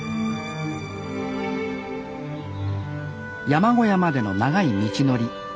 山小屋までの長い道のり。